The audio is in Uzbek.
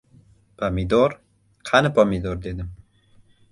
— Pomidor? Qani pomidor? — dedim.